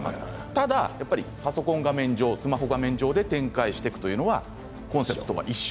ただ、やっぱりパソコン画面上スマホ画面上で展開していくというのはコンセプトが一緒。